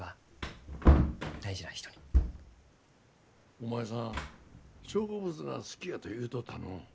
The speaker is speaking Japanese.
お前さん植物が好きやと言うとったのう。